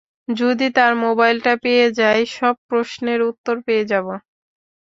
যদি তার মোবাইলটা পেয়ে যাই, সব প্রশ্নের উওর পেয়ে যাব।